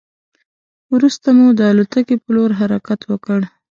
وروسته مو د الوتکې په لور حرکت وکړ.